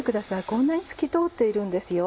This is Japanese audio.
こんなに透き通っているんですよ。